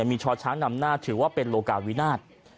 มีชอช้างนำหน้าถือว่าเป็นโลกาวินาท